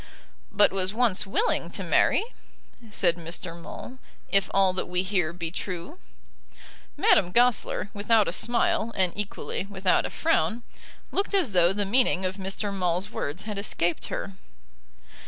"But was once willing to marry," said Mr. Maule, "if all that we hear be true." Madame Goesler, without a smile and equally without a frown, looked as though the meaning of Mr. Maule's words had escaped her.